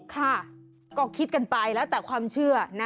ค่ะก็คิดกันไปแล้วแต่ความเชื่อนะ